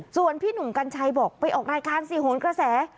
ส่วนพี่หนุ่มกัญชัยบอกไปออกรายการสิโหนกระแส